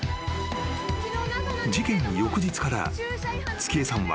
［事件の翌日から月恵さんは］